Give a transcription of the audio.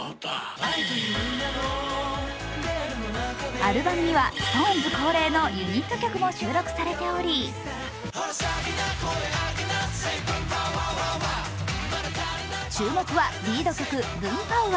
アルバムにはＳｉｘＴＯＮＥＳ恒例のユニット曲も収録されており注目はリード曲、「Ｂｏｏｍ−Ｐｏｗ−Ｗｏｗ！」